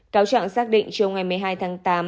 cáo trạng xác định trong ngày một mươi hai tháng tám